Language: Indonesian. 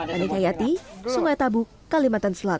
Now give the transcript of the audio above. pani kayati sungai tabu kalimantan selatan